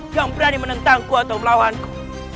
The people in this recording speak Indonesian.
yang berani menentangku atau melawanku